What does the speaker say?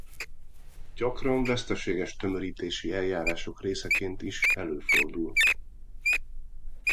Gyakran veszteséges tömörítési eljárások részeként is előfordul.